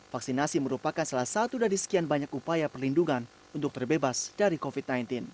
vaksinasi merupakan salah satu dari sekian banyak upaya perlindungan untuk terbebas dari covid sembilan belas